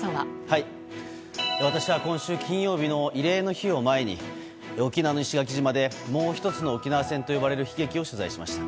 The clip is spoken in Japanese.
私は今週金曜日の慰霊の日を前に沖縄の石垣島でもうひとつの沖縄戦と呼ばれる悲劇を取材しました。